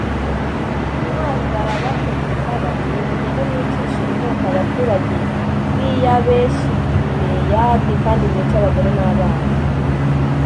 intwari barabategeka bati nimugende mwicishe inkota abaturage b i yabeshi gileyadi kandi mwice abagore n abana